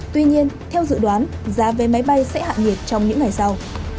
tuy nhiên theo dự đoán giá vé máy bay sẽ hạ nhiệt trong những ngày sau